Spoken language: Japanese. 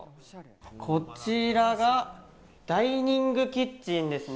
こちらがダイニングキッチンですね。